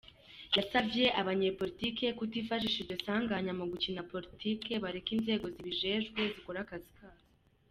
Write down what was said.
Yasavye abanyepolitike kutifashisha iryo sanganya mu gukina politike, bareke inzego zibijejwe zikore akazi kazo.